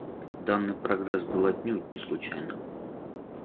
Данный прогресс был отнюдь не случайным.